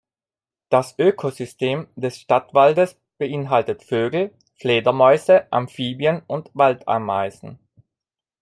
Das Ökosystem des Stadtwaldes beinhaltet Vögel, Fledermäuse, Amphibien und Waldameisen.